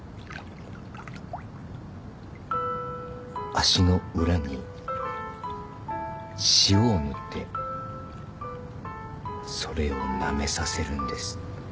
足の裏に塩を塗ってそれをなめさせるんです。